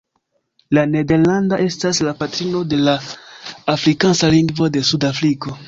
La nederlanda estas la patrino de la afrikansa lingvo de Sud-Afriko.